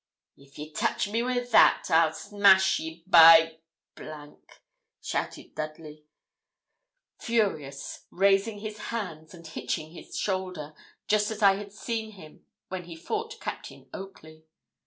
'If ye touch me wi' that, I'll smash ye, by !' shouted Dudley, furious, raising his hands and hitching his shoulder, just as I had seen him when he fought Captain Oakley.